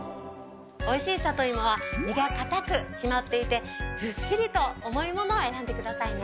美味しい里芋は実がかたく締まっていてずっしりと重いものを選んでくださいね。